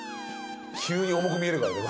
急に重く見えるからね